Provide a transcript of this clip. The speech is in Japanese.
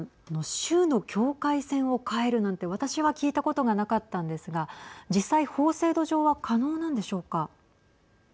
州の境界線を変えるなんて私は聞いたことがなかったんですが実際法制度上は可能なんでしょうか。